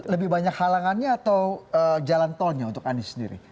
lebih banyak halangannya atau jalan tolnya untuk anies sendiri